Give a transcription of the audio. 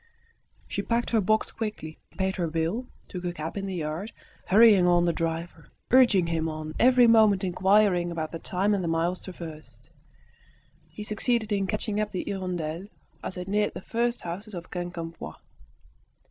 She packed her box quickly, paid her bill, took a cab in the yard, hurrying on the driver, urging him on, every moment inquiring about the time and the miles traversed. He succeeded in catching up the "Hirondelle" as it neared the first houses of Quincampoix.